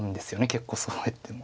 結構そうは言っても。